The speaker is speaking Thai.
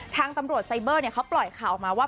ทางตำรวจไซเบอร์เขาปล่อยข่าวออกมาว่า